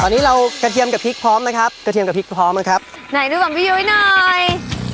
ตอนนี้เรากระเทียมกับพริกพร้อมไหมครับกระเทียมกับพริกพร้อมไหมครับไหนดูแบบพี่ยุ้ยหน่อย